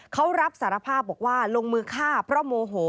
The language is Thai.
เขารับสารภาพบอกว่าลงมือฆ่าเพราะโมโห